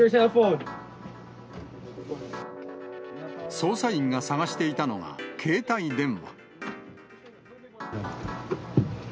捜査員が探していたのが、携帯電話。